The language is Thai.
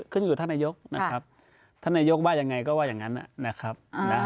ขึ้นอยู่ท่านนายกนะครับท่านนายกว่ายังไงก็ว่าอย่างนั้นนะครับ